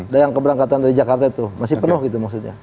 dan yang keberangkatan dari jakarta itu masih penuh gitu maksudnya